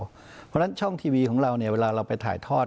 เพราะฉะนั้นช่องทีวีของเราเนี่ยเวลาเราไปถ่ายทอด